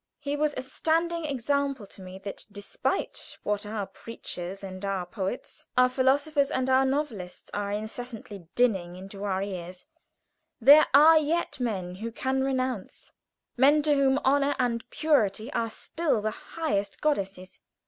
He was a standing example to me that despite what our preachers and our poets, our philosophers and our novelists are incessantly dinning into our ears, there are yet men who can renounce men to whom honor and purity are still the highest goddesses.